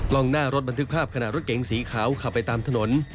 กล้องหน้ารถบันทึกภาพขณะรถเก๋งสีขาวขับไปตามถนน